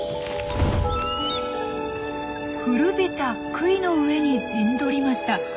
古びた杭の上に陣取りました。